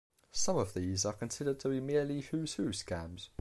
Some of these are considered to be merely Who's Who scams.